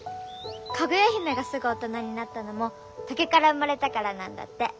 かぐやひめがすぐ大人になったのも竹から生まれたからなんだって。